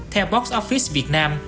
theo box office việt nam